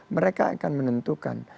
mereka akan menentukan